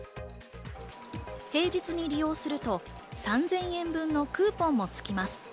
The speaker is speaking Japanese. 平日に利用すると３０００円分のクーポンもつきます。